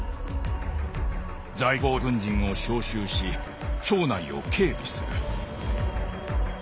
在郷軍人を招集し町内を警備する」。